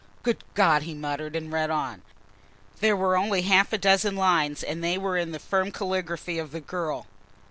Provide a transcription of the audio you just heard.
"Good God!" he muttered and read on. There were only half a dozen lines and they were in the firm caligraphy of the girl.